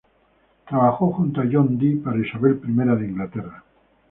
Trabajó junto a John Dee para Isabel I de Inglaterra.